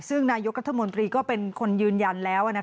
ซึ่งนายกรัฐมนตรีก็เป็นคนยืนยันแล้ว